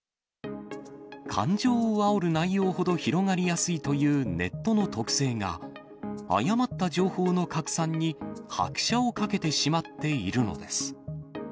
感情をあおる内容ほど広がりやすいというネットの特性が、誤った情報の拡散に拍車をかけてしまっているのです。